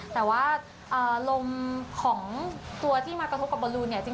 แต่ว่าลมของตัวที่มากระทบกับบอลลูนเนี่ย